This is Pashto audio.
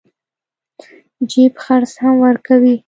جيب خرڅ هم ورکوي.